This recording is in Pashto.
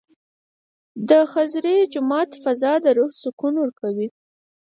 د خضري جومات فضا د روح سکون ورکوي.